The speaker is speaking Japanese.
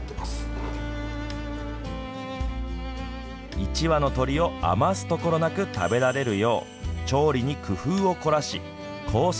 １羽の鶏を余すところなく食べられるよう調理に工夫を凝らしコース